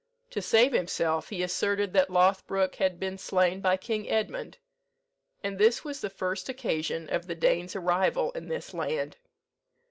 To save himself, he asserted that Lothbroke had been slain by King Edmund. And this was the first occasion of the Danes' arrival in this land."